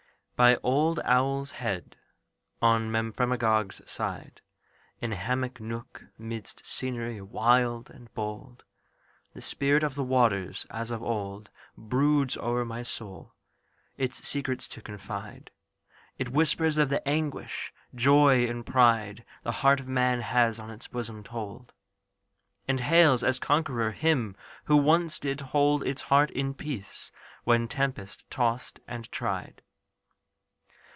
By old Owl's Head on Memphremagog's side, In hammock nook 'midst scenery wild and bold, The spirit of the waters, as of old, Broods o'er my soul, its secrets to confide, It whispers of the anguish, joy, and pride, The heart of man has on its bosom told; And hails as conqueror Him who once did hold Its heart in peace when tempest tossed and tried.